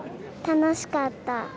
楽しかった。